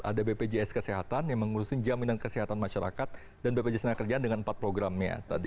ada bpjs kesehatan yang mengusung jaminan kesehatan masyarakat dan bpjs tenaga kerjaan dengan empat programnya tadi